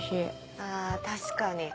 あぁ確かに。